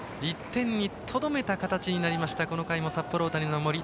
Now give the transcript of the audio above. １点にとどめた形になったこの回も札幌大谷の守り。